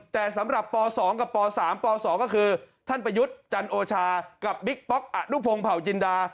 แต่สำหรับป๒กับป๓ป๒ก็คือท่านประยุทธ์จันโอชากับบิ๊กป๊อกอนุพงศ์เผาจินดา